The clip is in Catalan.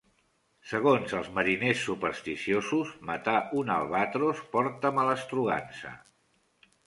Segons els mariners supersticiosos, matar un albatros porta malastrugança.